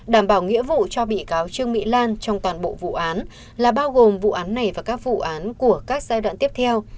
đảm bảo nghĩa vụ cho bị cáo trương mỹ lan trong toàn bộ vụ án là bao gồm vụ án này và các vụ án của các giai đoạn tiếp theo